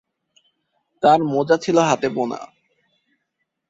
তার মোজা ছিল হাতে বোনা।